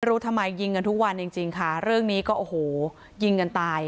รู้ทำไมยิงกันทุกวันจริงจริงค่ะเรื่องนี้ก็โอ้โหยิงกันตาย